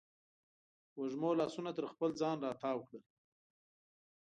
وږمو لاسونه تر خپل ځان راتاو کړل